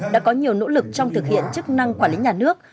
đã có nhiều nỗ lực trong thực hiện chức năng quản lý nhà nước